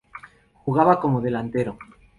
Jugaba como Delantero.